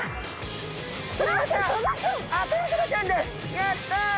やった！